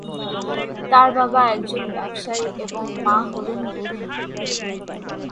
তার বাবা একজন ব্যবসায়ী এবং মা হলেন গৃহিণী।